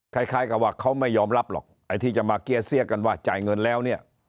คล้ายกับว่าเขาไม่ยอมรับหรอกไอ้ที่จะมาเกี้ยเสี้ยกันว่าจ่ายเงินแล้วเนี่ย